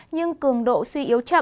nhưng cường độ suy yếu chậm